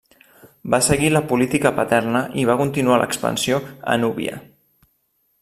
Va seguir la política paterna i va continuar l'expansió a Núbia.